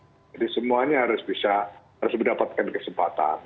jadi semuanya harus bisa harus mendapatkan kesempatan